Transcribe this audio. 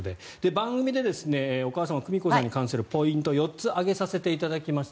番組でお母様、久美子さんに関するポイントを４つ挙げさせていただきました。